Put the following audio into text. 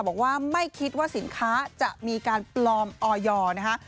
บอกว่าไม่คิดว่าสินค้าจะมีการปลอมออยอร์นะคะ